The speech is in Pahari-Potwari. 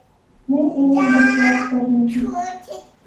میں ایویں بسواس کرنی دیوس